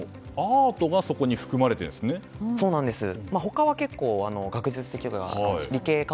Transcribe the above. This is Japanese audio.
Ａｒｔがそこに含まれてるんですね。